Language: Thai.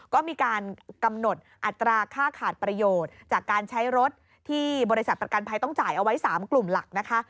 ก็มีการกำหนดอัตราค่าขาดประโยชน์จากการใช้รถที่บริษัทประกันภัยต้องจ่ายเอาไว้๓กลุ่มหลักนะคะ